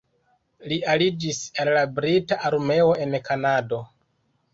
Li aliĝis al la brita armeo en Kanado.